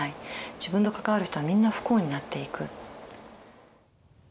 自分と関わる人はみんな不幸になっていく。